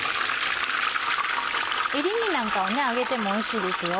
エリンギなんかを揚げてもおいしいですよ。